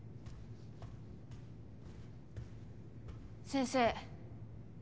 先生。